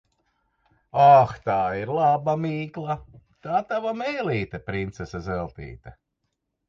Oh, tā ir laba mīkla! Tā tava mēlīte, princese Zeltīte.